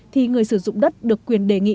thì người sử dụng đất được quyền đề nghị